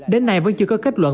đến nay vẫn chưa có kết luận